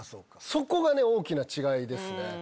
そこがね大きな違いですね。